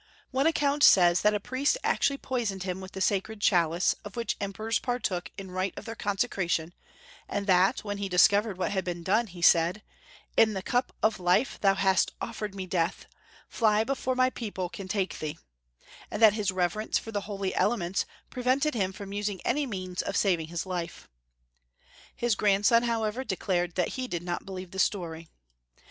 One account says that a priest actually poisoned him with the sacred Chalice, of which Emperors partook in right of their consecration, and that, when he discovered what had been done, he said, " In the Cup of Life thou hast offered me death ; fly before my people can take thee," and that his reverence for the holy Elements prevented him from using any means of saving his life. His grandson, however, declared that he did not believe the story.